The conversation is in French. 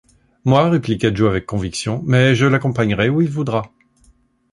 Moi, répliqua Joe avec conviction, mais je l’accompagnerai où il voudra!